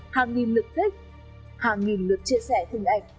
hàng nghìn lượt khách hàng nghìn lượt chia sẻ hình ảnh